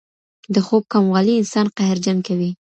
د خوب کموالی انسان قهرجن کوي.